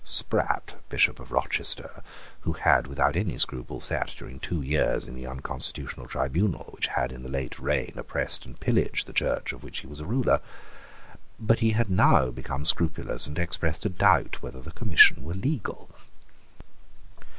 Sprat, Bishop of Rochester, had, without any scruple, sate, during two years, in the unconstitutional tribunal which had, in the late reign, oppressed and pillaged the Church of which he was a ruler. But he had now become scrupulous, and expressed a doubt whether the commission were legal.